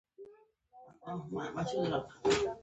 افغانستان د لعل کوربه دی.